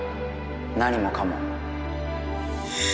何もかも。